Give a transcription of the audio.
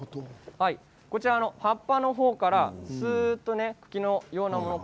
葉っぱの方からすーっと茎のようなもの